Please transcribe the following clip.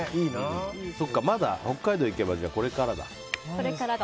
まだ、北海道に行けばこれからだ。